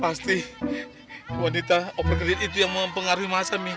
pasti wanita opergedit itu yang mau pengaruhi masa mih